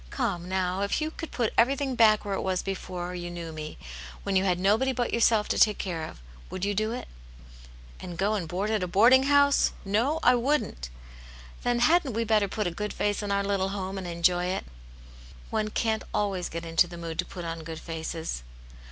Come, now, if you could put everything back where it was before you knew me, when you had nobody but yourself to take care of, would you doit?" " And go and board at a boarding house ? No, 1 wouldn't." " Then, hadn't we better put a good face on our little home, and enjoy it ?"" One can't always get into the mood to put on good faces."